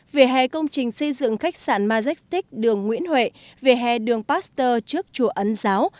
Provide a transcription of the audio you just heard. về hè công trình xây dựng khách sạn majestic đường nguyễn huệ về hè đường pasteur trước chùa ấn giáo